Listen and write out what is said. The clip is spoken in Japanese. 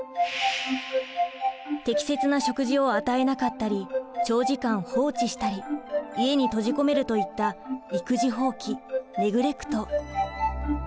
適切な食事を与えなかったり長時間放置したり家に閉じ込めるといった育児放棄ネグレクト。